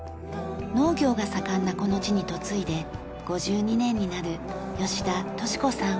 農業が盛んなこの地に嫁いで５２年になる吉田年子さん。